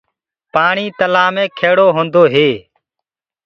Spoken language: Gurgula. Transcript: پآڻي تلآه مي کيڙو هوندو هي۔